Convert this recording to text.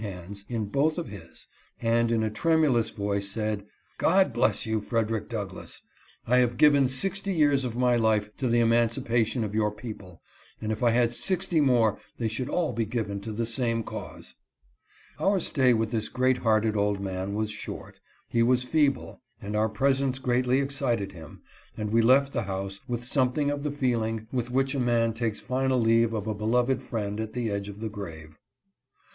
301 liands in both of his, and, in a tremulous voice, said, " God bless you, Frederick Douglass ! I have given sixty years of my life to the emancipation of your people, and if I had sixty years more they should all be given to the same cause." Our stay with this great hearted old man was short. He was feeble, and our presence greatly excited him, and we left the house with something of the feeling with which a man takes final leave of a beloved friend at the edge of the grave.